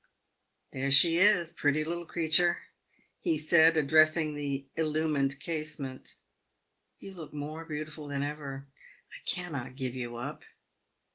" There she is, pretty little creature !" he said, addressing the illu mined casement. " You look more beautiful than ever ! I cannot give you up